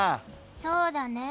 そうだね。